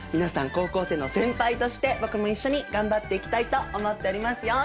高校生の先輩として僕も一緒に頑張っていきたいと思っておりますよ。